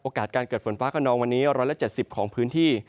โอกาสการเกิดฝนฟ้าขนองวันนี้ร้อยละ๗๐ของพื้นที่